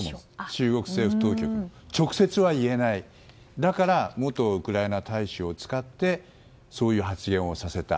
中国政府当局が直接言えないから元ウクライナ大使を使ってそういう発言をさせた。